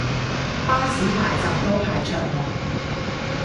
巴士埋站都排長龍